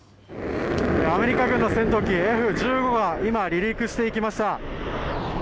アメリカ軍の戦闘機Ｆ１５が今、離陸していきました。